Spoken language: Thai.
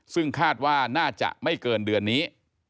ซึ่งคาดว่าน่าจะไม่เกินเดือนนี้